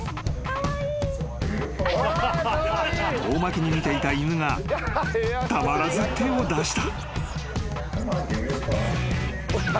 ［遠巻きに見ていた犬がたまらず手を出した］